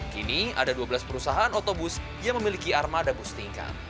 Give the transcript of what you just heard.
kini ada dua belas perusahaan otobus yang memiliki armada bus tingkat